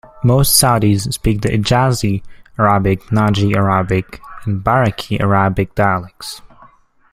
Most Saudis speak the Hejazi Arabic, Najdi Arabic and Bareqi Arabic dialects.